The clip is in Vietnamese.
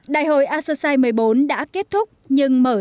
đây cũng là nội dung chính của tuyên bố hà nội mới được thông qua hôm nay